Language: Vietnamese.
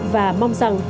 và mong rằng